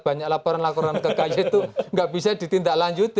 banyak laporan laporan ke kj itu nggak bisa ditindaklanjuti